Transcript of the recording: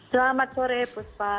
selamat sore puspa